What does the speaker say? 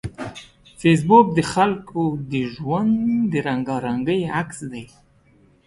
فېسبوک د خلکو د ژوند د رنګارنګۍ عکس دی